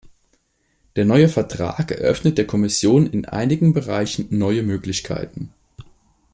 Der neue Vertrag eröffnet der Kommission in einigen Bereichen neue Möglichkeiten.